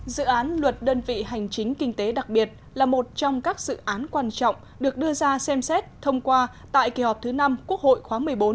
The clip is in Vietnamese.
dự án luật đơn vị hành chính kinh tế đặc biệt là một trong các dự án quan trọng được đưa ra xem xét thông qua tại kỳ họp thứ năm quốc hội khóa một mươi bốn